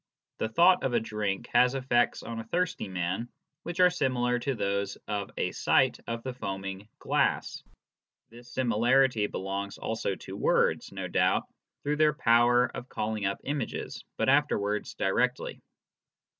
The thought of a drink has effects on a thirsty man which are similar to those of a sight of the foaming glass. This similarity belongs also to words, primarily, no doubt, through their power of calling up images, but afterwards directly.